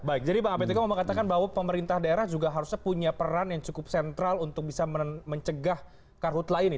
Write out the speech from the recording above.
baik jadi bang aptk mau mengatakan bahwa pemerintah daerah juga harusnya punya peran yang cukup sentral untuk bisa mencegah karhutlah ini